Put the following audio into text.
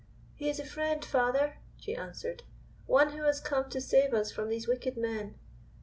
"He is a friend, father," she answered. "One who has come to save us from these wicked men."